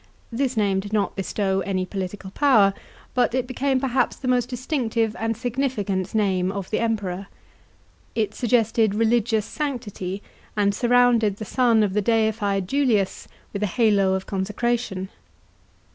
This name did not bestow any 27 B.C. FIRST FORM OF THE PRINCIPATE. 13 political power, but it became perhaps the most distinctive and significant name of the Emperor. It suggested religious sanctity and surrounded the son of the deified Julius with a halo of con secration.